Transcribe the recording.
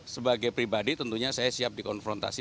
sebagai pribadi tentunya saya siap dikonfrontasi